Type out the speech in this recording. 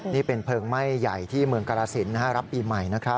นี่เป็นเพลิงไหม้ใหญ่ที่เมืองกรสินรับปีใหม่นะครับ